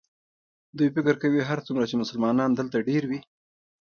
دوی فکر کوي هرڅومره چې مسلمانان دلته ډېر وي.